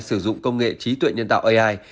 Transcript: sử dụng công nghệ trí tuệ nhân tạo ai